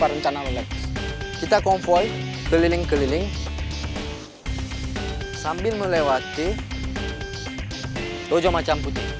udah udah stop stop